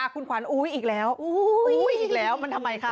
คุณขวัญอุ๊ยอีกแล้วอีกแล้วมันทำไมคะ